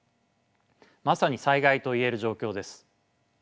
まさに災害と言える状況です。